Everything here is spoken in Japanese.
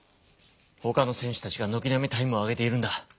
ほかの選手たちがのきなみタイムを上げているんだ。